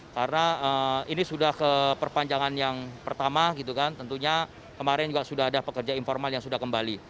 karena ini sudah ke perpanjangan yang pertama tentunya kemarin juga sudah ada pekerja informal yang sudah kembali